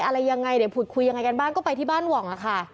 อะไรยังไงเดี๋ยวผุดคุยยังไงกันบ้างก็ไปที่บ้านหว่องอะค่ะ